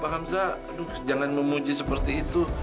pak hamzah aduh jangan memuji seperti itu